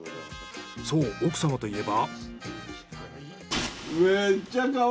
そう奥様といえば。